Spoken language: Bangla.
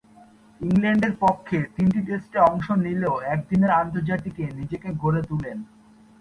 ইংল্যান্ডের পক্ষে তিনটি টেস্টে অংশ নিলেও একদিনের আন্তর্জাতিকে নিজেকে গড়ে তুলেন।